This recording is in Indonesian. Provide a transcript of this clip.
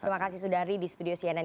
terima kasih sudah hadir di studio cnn